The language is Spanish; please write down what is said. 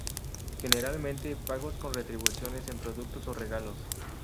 Generalmente pagos con retribuciones en productos o regalos.